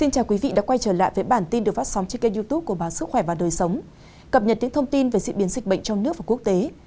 cập nhật những thông tin về sự biến dịch bệnh trong nước và quốc tế